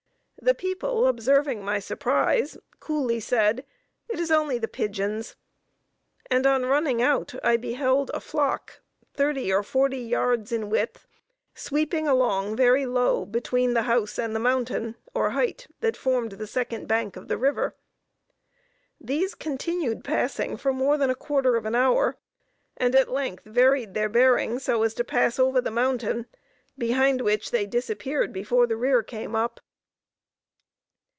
The people, observing my surprise, coolly said: "It is only the pigeons"; and on running out I beheld a flock, thirty or forty yards in width, sweeping along very low between the house and the mountain, or height, that formed the second bank of the river. These continued passing for more than a quarter of an hour, and at length varied their bearing so as to pass over the mountain, behind which they disappeared before the rear came up.